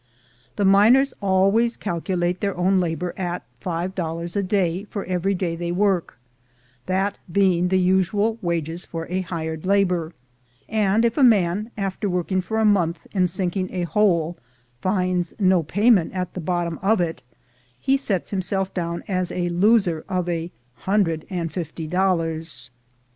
The miners always calculate their own labor at five dollars a day for every day they work, that being the usual wages for hired labor; and if a man, after working for a month in sinking a hole, finds no pay dirt at the bottom of it, he sets himself down as a loser of a hundred and fifty dollars.